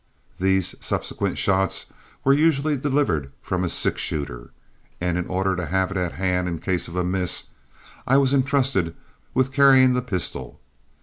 These subsequent shots were usually delivered from a six shooter, and in order to have it at hand in case of a miss I was intrusted with carrying the pistol.